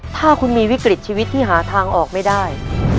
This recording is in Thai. ถ้าคุณมีวิกฤตชีวิตที่หาทางออกไม่ได้